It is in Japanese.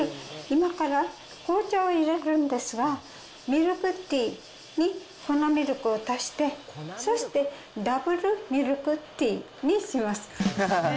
今から紅茶をいれるんですが、ミルクティーに粉ミルクを足して、そしてダブルミルクティーにします。